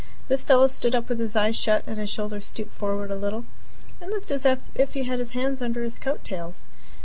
This fellow stood up with his eyes shut and his shoulders stooped forward a little, and looked as if he had his hands under his coat tails.